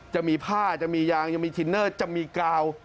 จะมีผ้าจะมียางจะมีทินเนอร์จะมีกาว